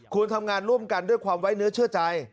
ทำงานร่วมกันด้วยความไว้เนื้อเชื่อใจ